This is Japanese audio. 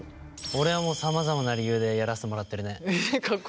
俺はさまざまな理由でやらせてもらってるね。